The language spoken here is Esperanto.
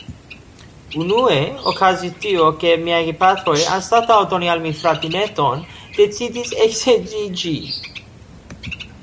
Unue okazis tio, ke miaj gepatroj, anstataŭ doni al mi fratineton, decidis eksedziĝi.